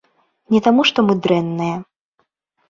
Не таму што мы дрэнныя.